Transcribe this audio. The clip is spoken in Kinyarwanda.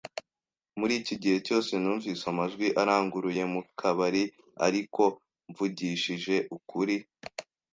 Muri iki gihe cyose numvise amajwi aranguruye mu kabari, ariko mvugishije ukuri,